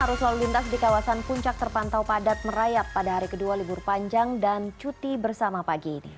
arus lalu lintas di kawasan puncak terpantau padat merayap pada hari kedua libur panjang dan cuti bersama pagi ini